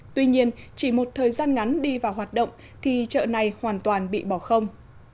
tuy nhiên chỉ một thời gian ngắn đi vào hoạt động thì chợ này hoàn toàn bị bỏ không